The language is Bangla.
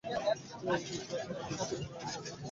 এই ইঙ্গিতেরই উপর মানুষ স্বীয় প্রেম অর্পণ করে।